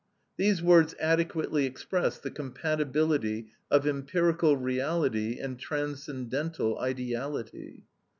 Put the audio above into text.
These words adequately express the compatibility of empirical reality and transcendental ideality.